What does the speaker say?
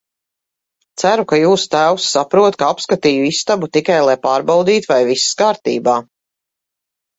Ceru, ka jūsu tēvs saprot, ka apskatīju istabu tikai, lai pārbaudītu, vai viss kārtībā.